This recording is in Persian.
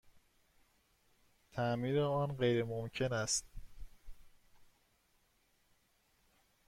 تعمیر آن غیرممکن است.